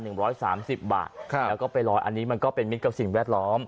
ร้อยสามสิบบาทครับแล้วก็ไปลอยอันนี้มันก็เป็นมิตรกับสิ่งแวดล้อม